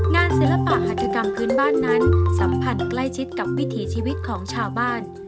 ศิลปะหัฐกรรมพื้นบ้านนั้นสัมผัสใกล้ชิดกับวิถีชีวิตของชาวบ้าน